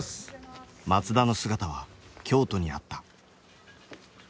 松田の姿は京都にあった。